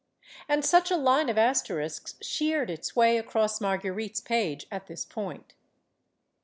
And such a line of asterisks sheared its way across Mar guerite's page at this point.